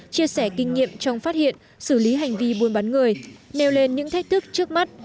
chia sẻ kinh nghiệm trong phát hiện xử lý hành vi buôn bán người nêu lên những thách thức trước mắt